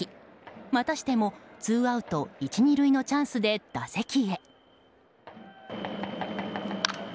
またしてもツーアウト１、２塁のチャンスで打席へ。